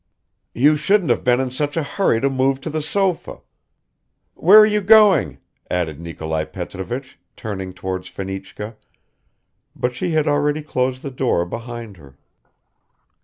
"You shouldn't have been in such a hurry to move to the sofa. Where are you going?" added Nikolai Petrovich, turning towards Fenichka, but she had already closed the door behind her.